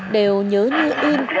đều nhớ như in